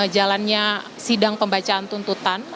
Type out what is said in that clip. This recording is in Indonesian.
jalannya sidang pembacaan tuntutan